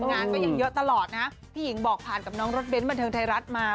งานก็ยังเยอะตลอดนะพี่หญิงบอกผ่านกับน้องรถเน้นบันเทิงไทยรัฐมา